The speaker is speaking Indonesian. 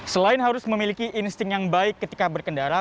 selain harus memiliki insting yang baik ketika berkendara